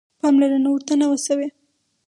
پاملرنه ورته نه وه شوې.